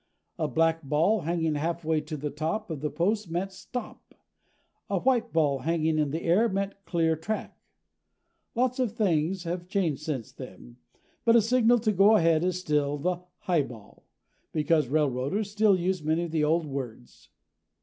A black ball hanging halfway to the top of the post meant STOP. A white ball hanging high in the air meant CLEAR TRACK. Lots of things have changed since then, but a signal to go ahead is still the "highball" because railroaders still use many of the old words.